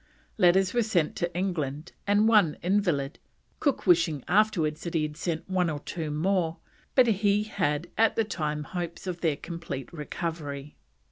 Letters were sent to England and one invalid, Cook wishing afterwards that he had sent one or two more, but he had at the time hopes of their complete recovery.